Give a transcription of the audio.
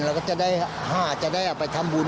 แล้วก็จะได้หาจะได้ออกไปทำบุญ